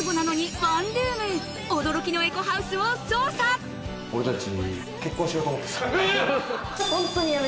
驚きのエコハウスを捜査俺たち。